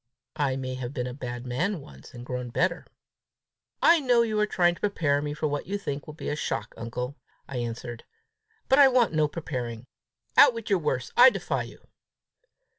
I may have been a bad man once, and grown better!" "I know you are trying to prepare me for what you think will be a shock, uncle!" I answered; "but I want no preparing. Out with your worst! I defy you!"